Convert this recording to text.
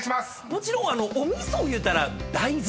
もちろんお味噌いうたら大豆。